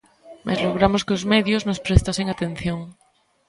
Mais logramos que os medios nos prestasen atención.